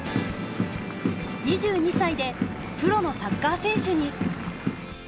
２２歳でプロのサッカー選手に。